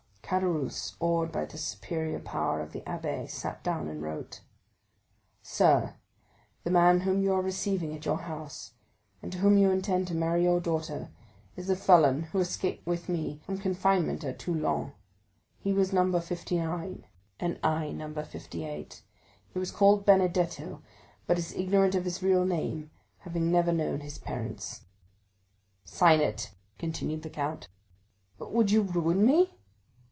Caderousse, awed by the superior power of the abbé, sat down and wrote: "Sir,—The man whom you are receiving at your house, and to whom you intend to marry your daughter, is a felon who escaped with me from confinement at Toulon. He was No. 59, and I No. 58. He was called Benedetto, but he is ignorant of his real name, having never known his parents." "Sign it!" continued the count. "But would you ruin me?"